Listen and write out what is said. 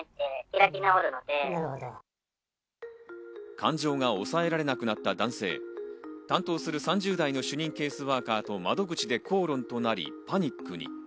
感情が抑えられなくなった男性、担当する３０代の主任ケースワーカーと窓口で口論となりパニックに。